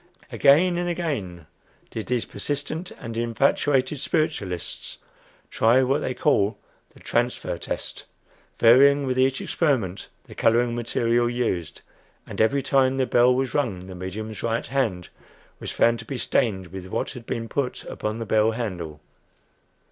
Again and again did these persistent and infatuated spiritualists try what they call the "transfer test," varying with each experiment the coloring material used, and every time the bell was rung the medium's right hand was found out to be stained with what had been put upon the bell handle.